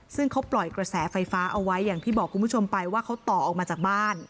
ซึ่งเขาปล่อยกระแสไฟฟ้าเอาไว้อย่างที่บอกคุณผู้ชมไปว่าเขาต่อออกมาจากบ้าน